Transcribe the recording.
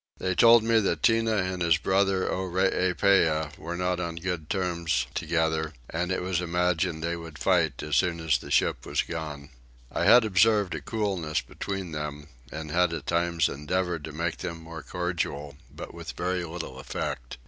They told me that Tinah and his brother Oreepyah were not on good terms together, and it was imagined that they would fight as soon as the ship was gone. I had observed a coolness between them, and had at times endeavoured to make them more cordial, but with very little effect.